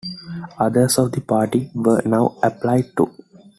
Others of the party were now applied to.